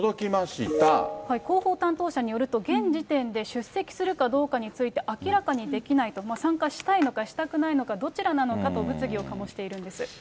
広報担当者によると、現時点で、出席するかどうかについて、明らかにできないと、参加したいのか、したくないのか、どちらなのかと、醸しているんです。